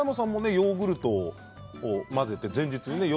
ヨーグルトを混ぜて前日にね夜。